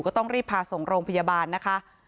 ก็ต้องรีบพาส่งโรงพยาบาลนะคะ